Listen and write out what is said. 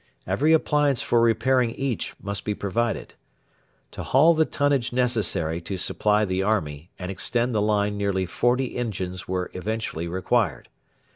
Every appliance for repairing each must be provided. To haul the tonnage necessary to supply the army and extend the line nearly forty engines were eventually required.